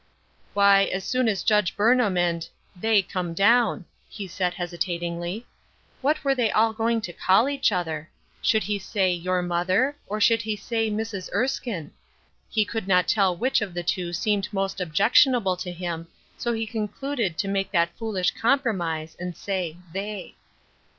" Wh}^ as soon as Judge Burnham and they come down," he said, hesitatingly. What were they all going to call each other ? Should he say " your mother," or should he say " Mrs. Erskine ?" He could not tell which of the two seemed most objectionable to him, so he con cluded to make that foolish compromise and say " they."